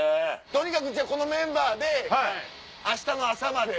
とにかくこのメンバーで明日の朝まで。